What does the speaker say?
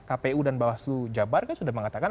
kpu dan bawaslu jabar kan sudah mengatakan